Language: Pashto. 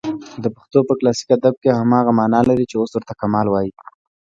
د پښتو په کلاسیک ادب کښي هماغه مانا لري، چي اوس ورته کمال وايي.